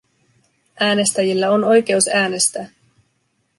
Äänestäjillä on oikeus äänestää.